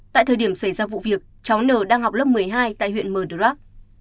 tại thời điểm xảy ra vụ việc cháu n đang học lớp một mươi hai tại huyện mờ rắc